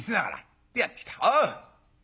「おう！